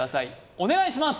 お願いします